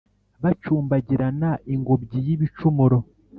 bacumbagirana ingobyi y ' ibicumuro !